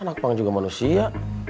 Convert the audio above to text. anak bang juga manusia